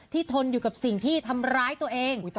ทนอยู่กับสิ่งที่ทำร้ายตัวเอง